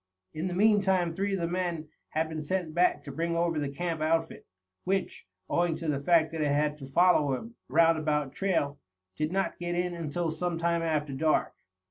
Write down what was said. In the meantime three of the men had been sent back to bring over the camp outfit, which, owing to the fact that it had to follow a round about trail, did not get in until some time after dark.